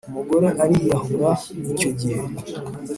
umugore aliyahura icyo gihe.